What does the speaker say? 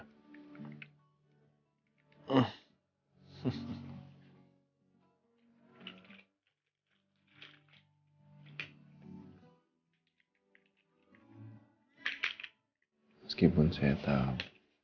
meskipun saya tahu